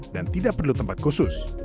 dan tidak perlu tempat khusus